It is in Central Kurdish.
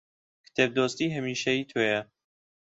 کتێب دۆستی هەمیشەیی تۆیە